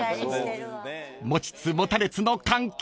［持ちつ持たれつの関係］